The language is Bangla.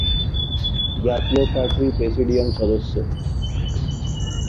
জাতীয় পার্টির প্রেসিডিয়াম সদস্য।